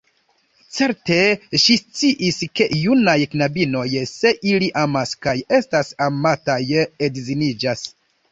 Certe, ŝi sciis; ke junaj knabinoj, se ili amas kaj estas amataj, edziniĝas.